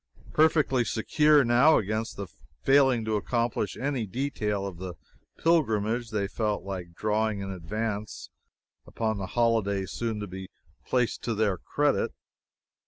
Perfectly secure now, against failing to accomplish any detail of the pilgrimage, they felt like drawing in advance upon the holiday soon to be placed to their credit.